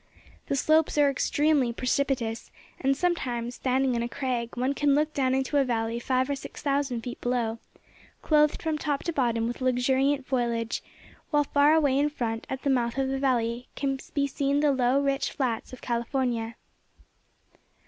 The slopes are extremely precipitous, and sometimes, standing on a crag, one can look down into a valley five or six thousand feet below, clothed from top to bottom with luxuriant foliage, while far away in front, at the mouth of the valley, can be seen the low, rich flats of California.